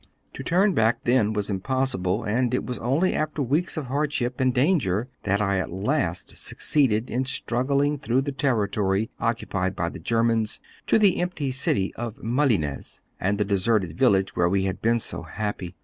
To turn back then was impossible, and it was only after weeks of hardship and danger that I at last succeeded in struggling through the territory occupied by Germans to the empty city of Malines, and the deserted village where we had been so happy!